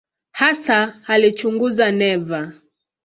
Hasa alichunguza neva.